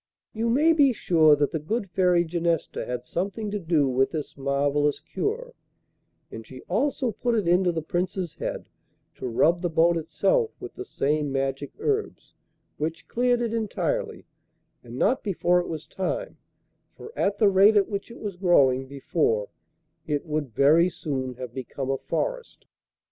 You may be sure that the good Fairy Genesta had something to do with this marvellous cure, and she also put it into the Prince's head to rub the boat itself with the same magic herbs, which cleared it entirely, and not before it was time, for, at the rate at which it was growing before, it would very soon have become a forest!